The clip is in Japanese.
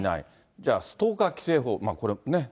じゃあ、ストーカー規制法、これ、ね。